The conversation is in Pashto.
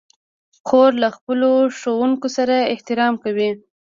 خور له خپلو ښوونکو سره احترام کوي.